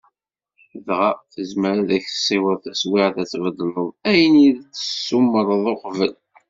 Dɣa, tezmer ad ak-tessiweḍ teswiɛt ad tbeddleḍ ayen i d-tsumreḍ uqbel.